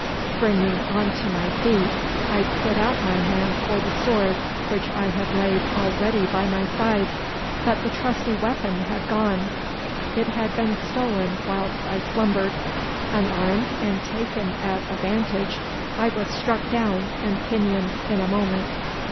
Springing on to my feet I put out my hand for the sword which I had laid all ready by my side, but the trusty weapon had gone. It had been stolen whilst I slumbered. Unarmed and taken at a vantage, I was struck down and pinioned in a moment.